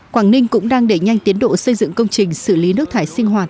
quảng ninh cũng đang đẩy nhanh tiến độ xây dựng công trình xử lý nước thải sinh hoạt